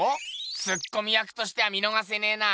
ツッコミ役としては見のがせねぇな。